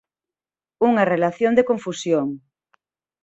Unha relación de confusión.